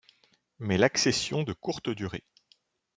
Mais l'accession de courte durée.